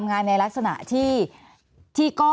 แอนตาซินเยลโรคกระเพาะอาหารท้องอืดจุกเสียดแสบร้อน